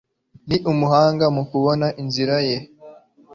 Ni umuhanga mu kubona inzira ye.